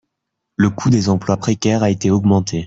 Le coût des emplois précaires a été augmenté.